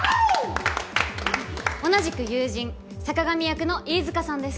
同じく友人坂上役の飯塚さんです。